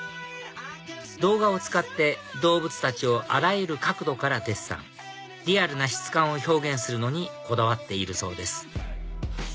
動画を使って動物たちをあらゆる角度からデッサンリアルな質感を表現するのにこだわっているそうです